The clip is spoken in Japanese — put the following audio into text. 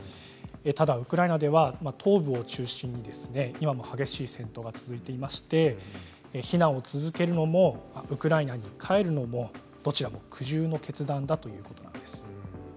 ただウクライナでは東部を中心に今も激しい戦闘が続いていまして避難を続けるのもウクライナに帰るのもどちらも苦渋の決断だということなんです。